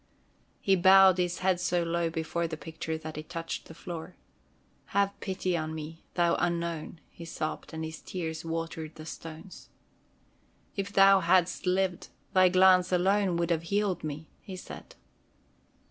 He bowed his head so low before the picture that it touched the floor. "Have pity on me, thou Unknown!" he sobbed, and his tears watered the stones. "If thou hadst lived, thy glance alone would have healed me," he said.